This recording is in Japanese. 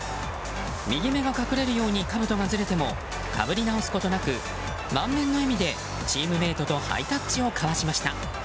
右目が隠れるようにかぶとがずれてもかぶり直すことなく満面の笑みでチームメートとハイタッチを交わしました。